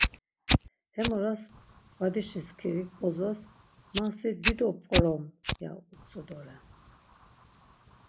Hemoras badişi skirik bozos ‘Ma si dido p̌orom’ ya utzu doren.